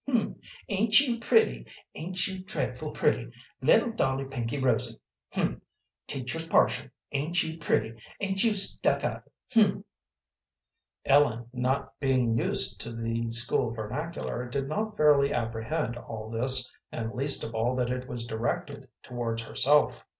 "H'm, ain't you pretty? Ain't you dreadful pretty, little dolly pinky rosy. H'm, teacher's partial. Ain't you pretty? Ain't you stuck up? H'm." Ellen, not being used to the school vernacular, did not fairly apprehend all this, and least of all that it was directed towards herself.